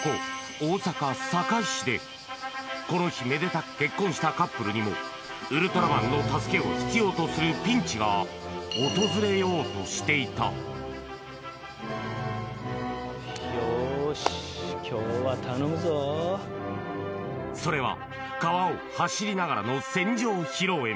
こここの日めでたく結婚したカップルにもウルトラマンの助けを必要とするピンチが訪れようとしていたそれは川を走りながらの船上披露宴